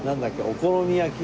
お好み焼き？